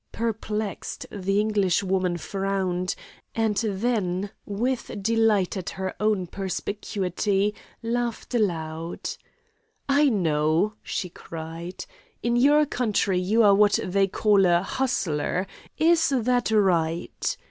Perplexed, the Englishwoman frowned, and then, with delight at her own perspicuity, laughed aloud. "I know," she cried, "in your country you are what they call a 'hustler'! Is that right?"